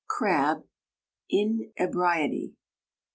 Crabbe: "Inebriety."